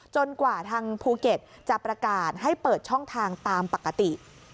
กว่าทางภูเก็ตจะประกาศให้เปิดช่องทางตามปกติ